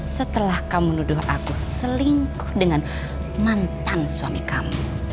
setelah kamu menuduh aku selingkuh dengan mantan suami kamu